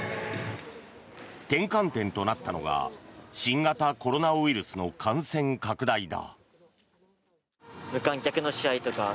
転換点となったのが新型コロナウイルスの感染拡大だ。